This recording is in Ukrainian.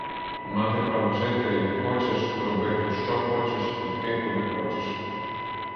Мати право жити, як хочеш, робити, що хочеш, іти, куди хочеш.